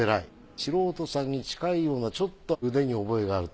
素人さんに近いようなちょっと腕に覚えがあると。